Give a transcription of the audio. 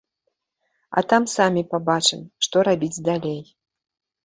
А там самі пабачым, што рабіць далей.